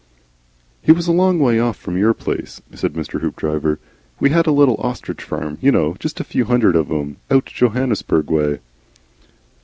"He was a long way off from our place," said Mr. Hoopdriver. "We had a little ostrich farm, you know Just a few hundred of 'em, out Johannesburg way."